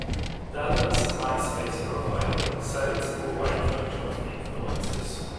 Dalla's Myspace profile cites a wide range of influences.